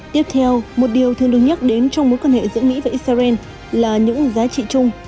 tiếp theo một điều thường được nhắc đến trong mối quan hệ giữa mỹ và israel là những giá trị chung